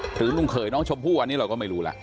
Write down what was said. ลุงเขยน้องชมพู่อันนี้เราก็ไม่รู้ล่ะ